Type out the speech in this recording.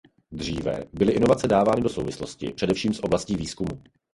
Dříve byly inovace dávány do souvislosti především s oblastí výzkumu.